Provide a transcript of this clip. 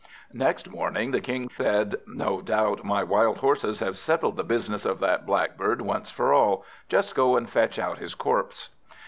Next morning the King said "No doubt my wild Horses have settled the business of that Blackbird once for all. Just go and fetch out his corpse."